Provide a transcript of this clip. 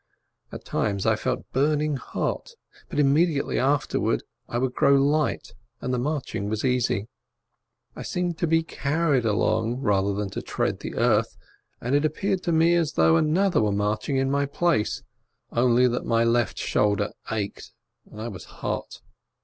At times I felt burning hot, but immediately after wards I would grow light, and the marching was easy, MILITARY SERVICE 289 I seemed 'to be carried along rather than to tread the earth, and it appeared to me as though another were marching in my place, only that my left shoulder ached, and I was hot.